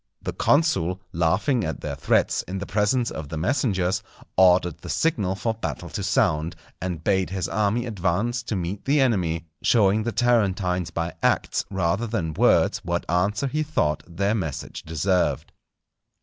The consul, laughing at their threats, in the presence of the messengers, ordered the signal for battle to sound, and bade his army advance to meet the enemy; showing the Tarentines by acts rather than words what answer he thought their message deserved.